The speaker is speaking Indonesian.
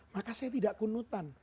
maka saya tidak kunutan